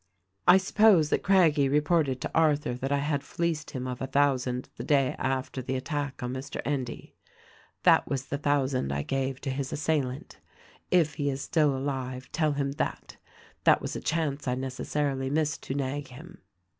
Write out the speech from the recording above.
"I suppose that Craggie reported to Arthur that I had fleeced him of a thousand the day after the attack on Mr. Endy. That was the thousand I gave to his assailant. If he is still alive tell him that. That was a chance I neces sarily missed to nag him.